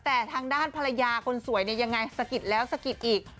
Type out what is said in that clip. แต่ทางด้านภรรยาคนสวยเนี่ยยังไงสะกิดแล้วสะกิดอีก